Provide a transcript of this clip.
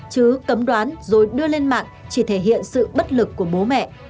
chứ cấm đoán rồi đưa lên mạng chỉ thể hiện sự bất lực của bố mẹ